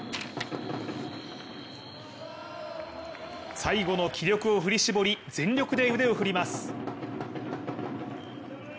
最後の気力を振り絞り全力で腕を振ります。